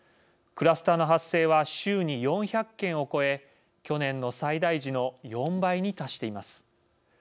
クラスターの発生は週に４００件を超え去年の最大時の４倍に達しています。